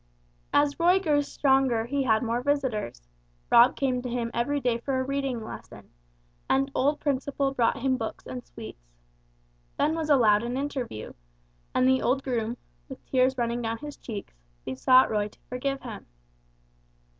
As Roy grew stronger he had more visitors; Rob came to him every day for a reading lesson, and old Principle brought him books and sweets. Ben was allowed an interview, and the old groom, with tears running down his cheeks, besought Roy to forgive him.